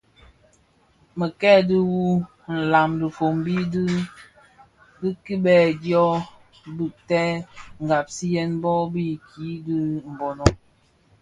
Merke wu nlan dhifombi di kibèè dyo bigtèn nghaghasiyen bon bë nki di Mbono.